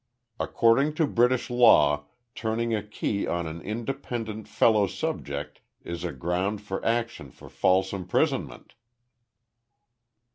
According to British law turning a key on an independent fellow subject is a ground for action for false imprisonment."